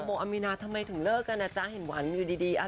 ไม่ละแหละก็เลยจะแฝดเลยอ่า